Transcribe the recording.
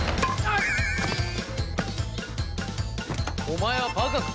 お前はバカか？